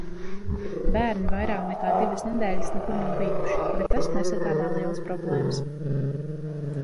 Bērni vairāk nekā divas nedēļas nekur nav bijuši, bet tas nesagādā lielas problēmas.